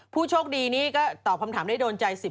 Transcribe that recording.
ผู้โชคดีนี้ก็ตอบคำถามได้โดนใจสิท